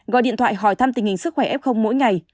gọi điện thoại hỏi thăm tình hình sức khỏe f mỗi ngày